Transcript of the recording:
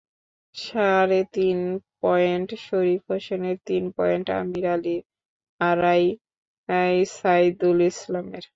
সাড়ে তিন পয়েন্ট শরীফ হোসেনের, তিন পয়েন্ট আমির আলীর, আড়াই সাইদুল ইসলামের।